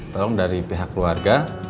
tolong dari pihak keluarga